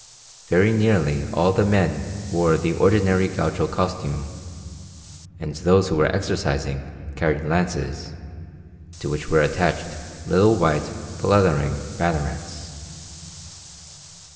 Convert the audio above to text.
Very nearly all the men wore the ordinary gaucho costume, and those who were exercising carried lances, to which were attached little white, fluttering bannerets.